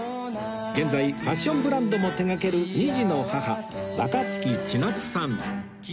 現在ファッションブランドも手掛ける二児の母若槻千夏さん